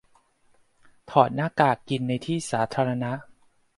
ถ้าถอดหน้ากากกินในที่สาธารณะ